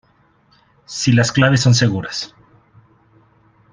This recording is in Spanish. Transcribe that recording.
si las claves son seguras